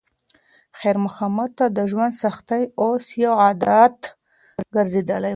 خیر محمد ته د ژوند سختۍ اوس یو عادت ګرځېدلی و.